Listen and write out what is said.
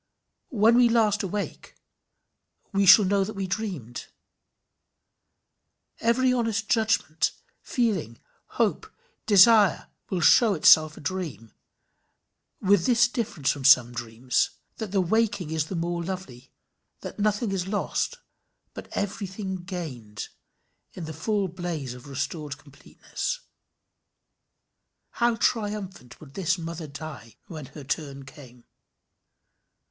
When we last awake, we shall know that we dreamed. Even every honest judgment, feeling, hope, desire, will show itself a dream with this difference from some dreams, that the waking is the more lovely, that nothing is lost, but everything gained, in the full blaze of restored completeness. How triumphant would this mother die, when her turn came!